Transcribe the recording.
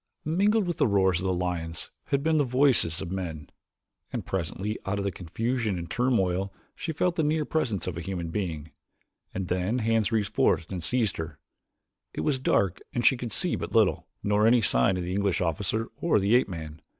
Mingled with the roars of the lions had been the voices of men, and presently out of the confusion and turmoil she felt the near presence of a human being, and then hands reached forth and seized her. It was dark and she could see but little, nor any sign of the English officer or the ape man.